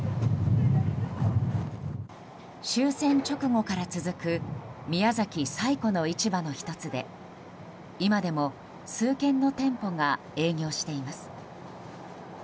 終戦直後から続く宮崎最古の市場の１つで今でも数軒の店舗が営業しています。